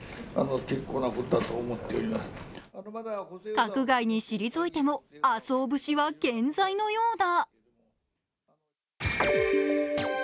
閣外に退いても麻生節は健在のようだ。